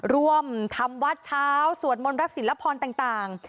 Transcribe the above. ร่วมทำวัดเช้าสวดมนต์รับศิลพรต่าง